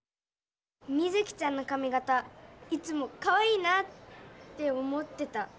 ミズキちゃんのかみ形いつもかわいいなって思ってた。